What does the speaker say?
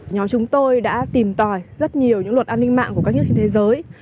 nhóm chúng tôi đã tìm tòi rất nhiều những luật an ninh mạng của các nước trên thế giới